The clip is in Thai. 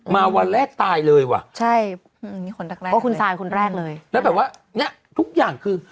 มาวันแรกตายเลยว่ะคุณทักแรกเลยแล้วแบบว่าเนี่ยทุกอย่างคือ